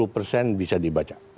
lima puluh persen bisa dibaca